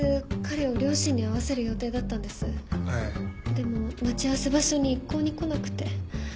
でも待ち合わせ場所に一向に来なくて。